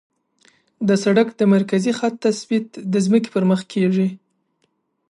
د سړک د مرکزي خط تثبیت د ځمکې پر مخ کیږي